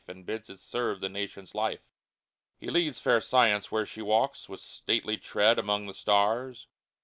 And bids it serve the nation's life ; He leads fair Science, where she walks With stately tread among the stars.